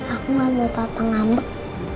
aku mau papa ngambek